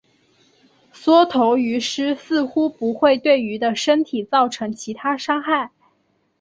缩头鱼虱似乎不会对鱼的身体造成其他伤害。